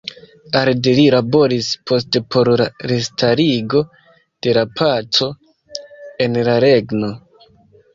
Arde li laboris poste por la restarigo de la paco en la regno.